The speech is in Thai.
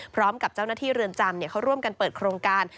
พร้อมกับเจ้าหน้าที่เรือนจำเขาร่วมกันเปิดโครงการ